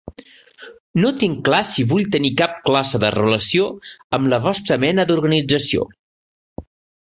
No tinc clar si vull tenir cap classe de relació amb la vostra mena d'organització.